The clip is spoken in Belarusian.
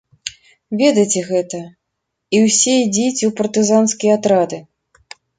Ведайце гэта, і ўсе ідзіце ў партызанскія атрады.